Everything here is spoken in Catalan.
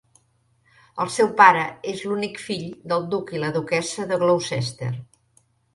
El seu pare és l'únic fill del duc i la duquessa de Gloucester.